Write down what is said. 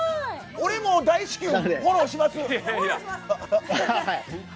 俺も大至急フォローします。